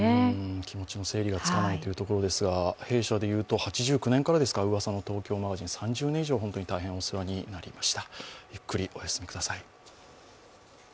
気持ちの整理がつかないというところですが、弊社で言うと８９年からですか、「噂の！東京マガジン」３０年以上大変お世話になりました。